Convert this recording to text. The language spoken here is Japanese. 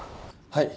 はい。